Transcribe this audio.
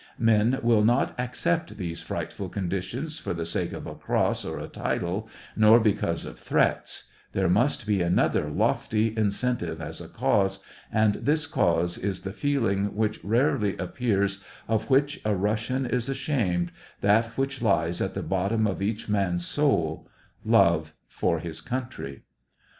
Men will not ac cept these frightful conditions for the sake of a cross or a title, nor because of threats ; there must be another lofty incentive as a cause, and this cause is the feeling which rarely appears, of which a Russian is ashamed, that which lies at the bottom of each man's soul — love for his country.